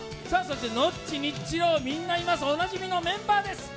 ノッチ、ニッチロー、みんないます、おなじみのメンバーです。